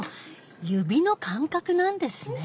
指の感覚なんですね。